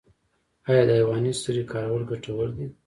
آیا د حیواني سرې کارول ګټور دي؟